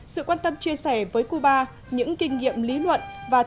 sự quan tâm chia sẻ với cuba